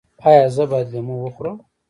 ایا زه باید لیمو وخورم؟